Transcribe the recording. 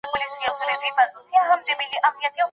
زموږ د څېړنو نتیجې تل په حقیقتونو نه وي ولاړي.